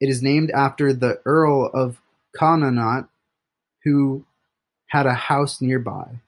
It is named after the Earl of Connaught who had a house nearby.